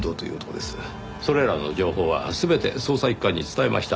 それらの情報は全て捜査一課に伝えました。